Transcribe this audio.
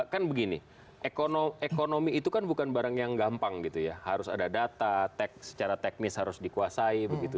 kan begini ekonomi itu kan bukan barang yang gampang gitu ya harus ada data secara teknis harus dikuasai begitu